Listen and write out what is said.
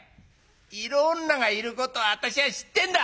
「色女がいることは私は知ってんだ」。